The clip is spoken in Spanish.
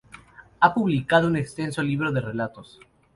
Ha publicado un extenso libro de relatos.